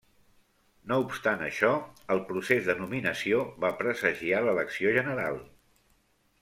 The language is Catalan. No obstant això, el procés de nominació va presagiar l'elecció general.